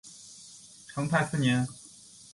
成泰四年。